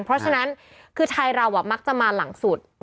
เพราะฉะนั้นคือชายเรามักจะมาหลังสุด